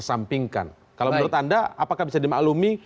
apakah bisa dimaklumi